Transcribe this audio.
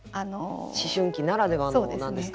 思春期ならではのなんですかね。